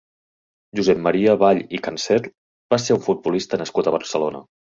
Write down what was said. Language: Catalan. Josep Maria Vall i Cancer va ser un futbolista nascut a Barcelona.